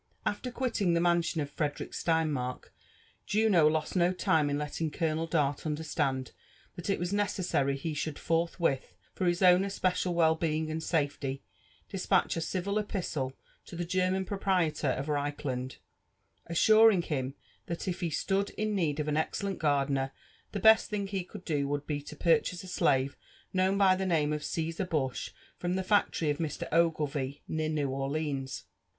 After quilting the mansion of Frederick Sleinihark, Juno lost no time in letting Colonel Dart understand that it was necessary he should forthwith, for his own especial well being and safety, despatch a civil epistle to the German proprietor of Reichland,* assuring him that if he stood in need of an excellenl gardener, the best thing he could do would be to purchase a slave known by the name of Caesar Bush from the fac tory of Mr. Oglevie, near New Orleans.